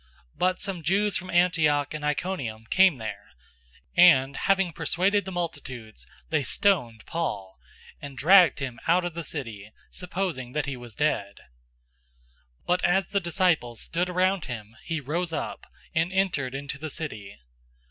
014:019 But some Jews from Antioch and Iconium came there, and having persuaded the multitudes, they stoned Paul, and dragged him out of the city, supposing that he was dead. 014:020 But as the disciples stood around him, he rose up, and entered into the city.